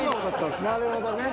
なるほどね。